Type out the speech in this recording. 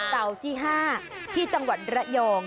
เสาร์ที่๕ที่จังหวัดระยอง